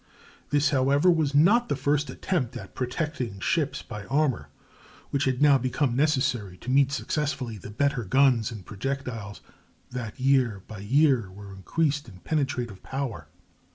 This, however, was not the first attempt at protecting ships by armor, which had now become necessary to meet successfully the better guns and projectiles that year by year were increased in penetrative power.